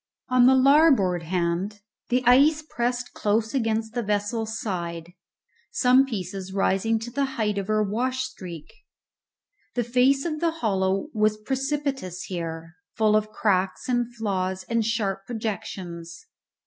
On the larboard hand the ice pressed close against the vessel's side, some pieces rising to the height of her wash streak. The face of the hollow was precipitous here, full of cracks and flaws and sharp projections.